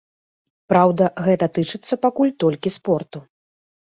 Праўда, гэта тычыцца пакуль толькі спорту.